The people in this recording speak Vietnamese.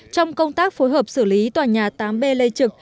trong công tác phối hợp xử lý tòa nhà tám b lê trực